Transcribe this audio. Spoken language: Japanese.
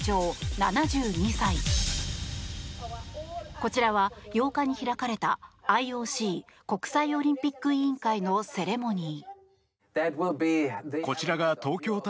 こちらは８日に開かれたＩＯＣ・国際オリンピック委員会のセレモニー。